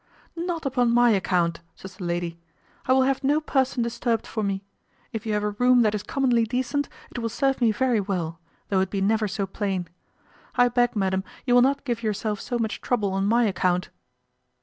"Not upon my account," says the lady; "I will have no person disturbed for me. If you have a room that is commonly decent, it will serve me very well, though it be never so plain. I beg, madam, you will not give yourself so much trouble on my account."